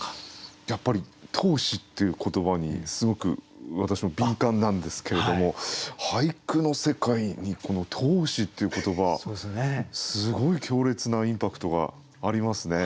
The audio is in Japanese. やっぱり「闘志」っていう言葉にすごく私も敏感なんですけれども俳句の世界にこの「闘志」っていう言葉すごい強烈なインパクトがありますね。